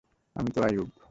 আমিই তো আইয়ুব।